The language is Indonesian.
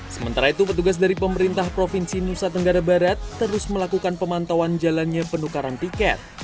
sementara itu petugas dari pemerintah provinsi nusa tenggara barat terus melakukan pemantauan jalannya penukaran tiket